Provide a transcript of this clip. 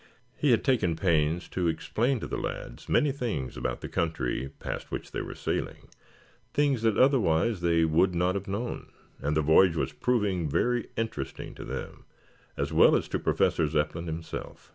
He had taken pains to explain to the lads many things about the country past which they were sailing things that otherwise they would not have known, and the voyage was proving very interesting to them, as well as to Professor Zepplin himself.